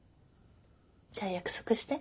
じゃあ約束して。